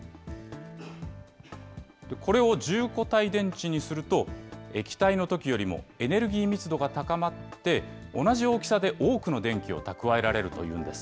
これを柔固体電池にすると、液体のときよりもエネルギー密度が高まって、同じ大きさで多くの電気を蓄えられるというんです。